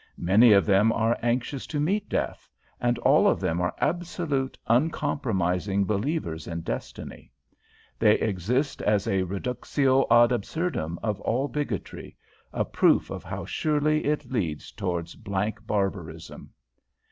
Many of them are anxious to meet death, and all of them are absolute, uncompromising believers in destiny. They exist as a reductio ad absurdum of all bigotry, a proof of how surely it leads towards blank barbarism."